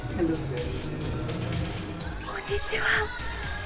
こんにちは。